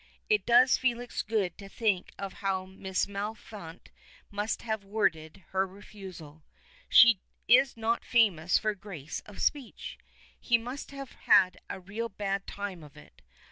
It does Felix good to think of how Miss Maliphant must have worded her refusal. She is not famous for grace of speech. He must have had a real bad time of it.